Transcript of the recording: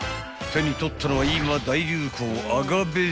［手に取ったのは今大流行］